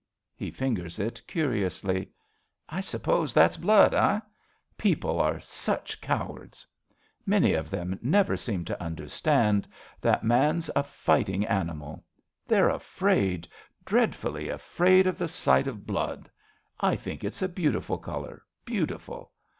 {He fingers it curiously.) I suppose that's blood, eh ? People are such cowards. 31 RADA Many of them never seem to understand That man's a fighting animal. They're afraid, Dreadfully afraid, of the sight of blood. I think it's a beautiful colour, beautiful